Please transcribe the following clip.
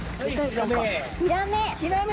ヒラメ！